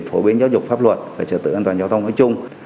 phổ biến giáo dục pháp luật về trợ tự an toàn giao thông ở chung